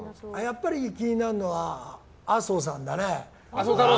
やっぱり気になるのは麻生さんだね。